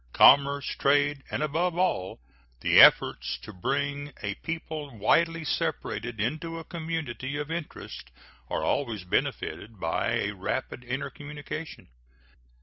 Commerce, trade, and, above all, the efforts to bring a people widely separated into a community of interest are always benefited by a rapid intercommunication.